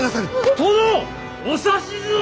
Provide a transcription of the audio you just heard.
殿！お指図を！